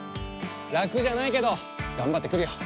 ラクじゃないけどがんばってくるよ。